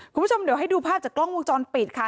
คุณผู้ชมเดี๋ยวให้ดูภาพจากกล้องวงจรปิดค่ะ